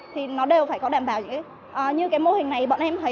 thì nó đều phải có đảm bảo như cái mô hình này bọn em thấy